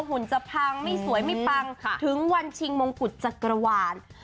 หุ่นจะพังไม่สวยไม่ปังถึงวันชิงมงกุฎจักรวาล